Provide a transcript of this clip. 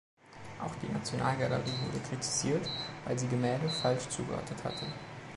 Auch die Nationalgalerie wurde kritisiert, weil sie Gemälde falsch zugeordnet hatte.